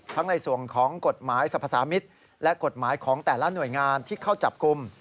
ในส่วนของกฎหมายสรรพสามิตรและกฎหมายของแต่ละหน่วยงานที่เข้าจับกลุ่ม